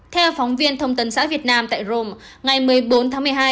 theo phóng viên thông tấn xã việt nam tại rome ngày một mươi bốn tháng một mươi hai